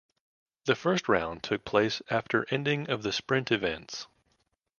The first round took place after ending of the sprint events.